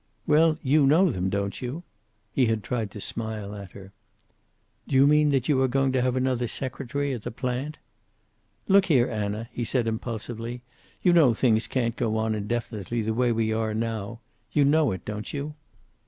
"Well, you know them, don't you?" He had tried to smile at her. "Do you mean that you are going to have another secretary at the plant?" "Look here, Anna," he said impulsively. "You know things can't go on indefinitely, the way we are now. You know it, don't you."